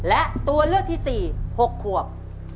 และตัวเลือกที่๔๖ขวบ